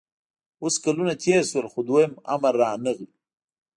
اوس کلونه تېر شول خو دویم امر رانغی